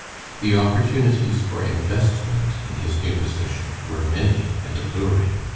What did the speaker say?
The opportunities for investment in his new position were many and alluring.